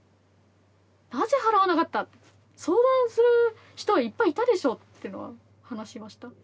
「相談する人はいっぱいいたでしょ？」っていうのは話しました。